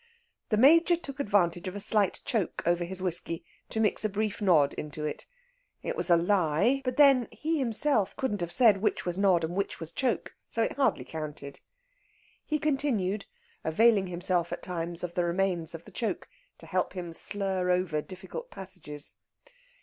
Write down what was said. The Major took advantage of a slight choke over his whiskey to mix a brief nod into it; it was a lie but, then, he himself couldn't have said which was nod and which was choke; so it hardly counted. He continued, availing himself at times of the remains of the choke to help him to slur over difficult passages.